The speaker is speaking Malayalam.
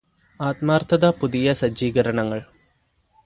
ആത്മാര്ത്ഥത പുതിയ സജ്ജീകരണങ്ങള്